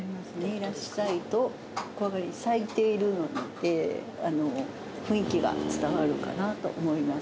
いらっしゃいと小上がりに咲いているので雰囲気が伝わるかなと思います。